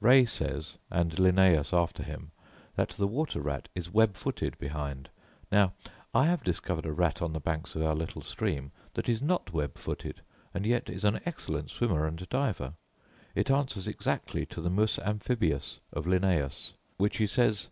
Ray says, and Linnaeus after him, that the water rat is web footed behind. Now I have discovered a rat on the banks of our little stream that is not web footed, and yet is an excellent swimmer and diver: it answers exactly to the mus amphibius of Linnaeus (see Syst.